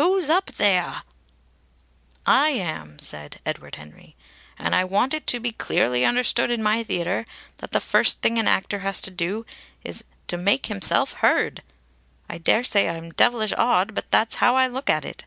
"Who's up theyah?" "I am," said Edward Henry. "And I want it to be clearly understood in my theatre that the first thing an actor has to do is to make himself heard. I daresay I'm devilish odd, but that's how I look at it."